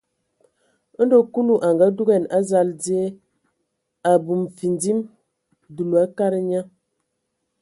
Ndo Kulu a ngadugan a dzal die, abum findim, dulu a kadag nye.